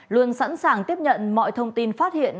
luôn sẵn sàng tiếp nhận mọi thông tin phát hiện